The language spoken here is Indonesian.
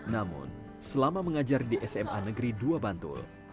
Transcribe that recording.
namun selama mengajar di sma negeri dua bantul